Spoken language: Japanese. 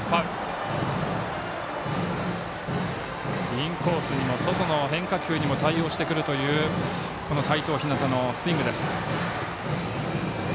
インコースにも外の変化球にも対応してくるという齋藤陽のスイング。